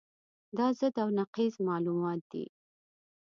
دا ضد او نقیض معلومات دي.